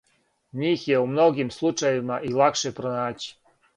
Њих је у многим случајевима и лакше пронаћи.